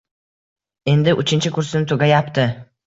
Endi uchinchi kursni tugatayapti